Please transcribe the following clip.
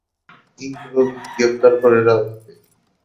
ইন্দ্রজিৎ গ্রেপ্তার করে রাজাকে।